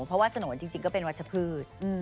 เพราะว่าสนวนจริงก็เป็นวัชพืช